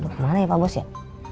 kemana ya pak bos ya